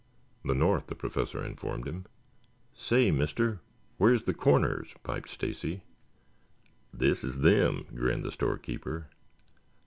"The north," the Professor informed him. "Say, Mister, where's the Corners?" piped Stacy. "This is them," grinned the storekeeper.